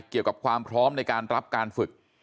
เกี่ยวกับความพร้อมในการรับการฝึก